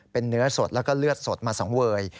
เป็นเนื้อสดแล้วก็เลือดสดมาสังเวย